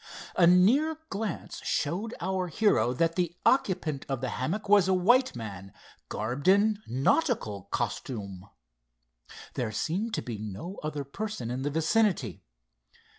A near glance showed our hero that the occupant of the hammock was a white man garbed in nautical costume. There seemed to be no other person in the vicinity.